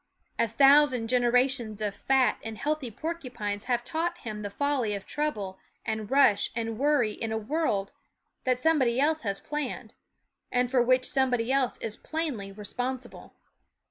A thousand generations of fat and healthy porcupines have taught him the folly of trouble and rush and worry in a world that somebody else has planned, and for which somebody else is plainly responsible.